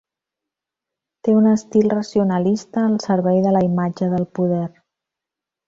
Té un estil racionalista al servei de la imatge del poder.